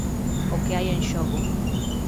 O que hai en xogo.